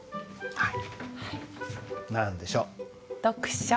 はい。